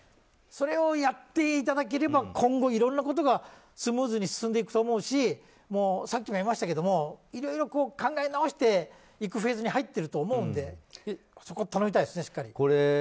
それをやっていただければ今後、いろんなことがスムーズに進んでいくと思うしさっきも言いましたけどいろいろ考え直していくフェーズに入ってると思うのでそこを頼みたいですね。